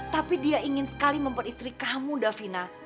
tapi dia ingin sekali memperistri kamu davina